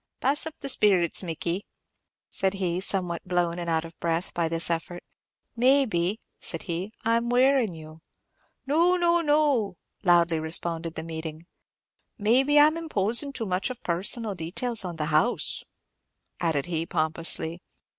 Pass up the sperits, Mickey," said he, somewhat blown and out of breath by this effort. "Maybe," said he, "I'm wearin' you." "No, no, no," loudly responded the meeting. "Maybe I'm imposin' too much of personal details on the house," added he, pompously.